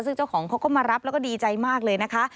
ซึ่งเจ้าของเขาก็มารับแล้วก็ดีใจมากเลยนะคะ